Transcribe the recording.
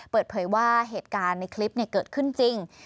เปิดเผยว่าเหตุการณ์ในคลิปเกิดขึ้นจริง